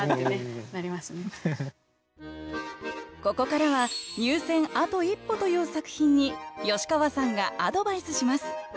ここからは入選あと一歩という作品に吉川さんがアドバイスします。